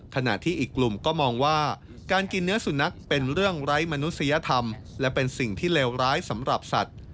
ขณะที่อีกกลุ่มก็มองว่าการกินเนื้อสุนัขเป็นเรื่องไร้มนุษยธรรมและเป็นสิ่งที่เลวร้ายสำหรับสัตว์